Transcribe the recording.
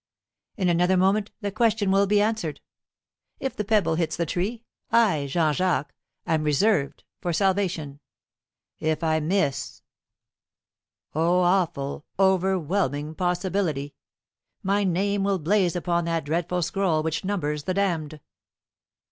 In another moment the question will be answered. If the pebble hits the tree, I, Jean Jacques, am reserved for salvation. If I miss O awful, overwhelming possibility! my name will blaze upon that dreadful scroll which numbers the damned."